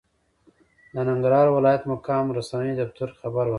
د ننګرهار ولايت مقام رسنیو دفتر خبر ورکړ،